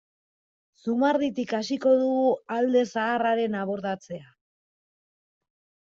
Zumarditik hasiko dugu alde zaharraren abordatzea.